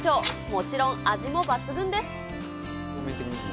もちろん、味も抜群です。